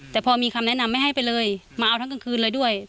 แต่พอมีคำแนะนำไม่ให้ไปเลยมาเอาทั้งกลางคืนเลยด้วย